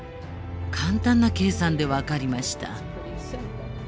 簡単な計算で分かりました。